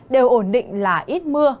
đều ổn định là ít mưa